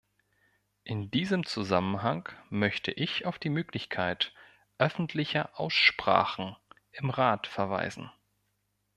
In diesem Zusammenhang möchte ich auf die Möglichkeit öffentlicher Aussprachen im Rat verweisen.